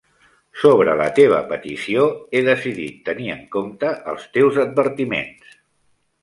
Sobre la teva petició, he decidit tenir en compte els teus advertiments.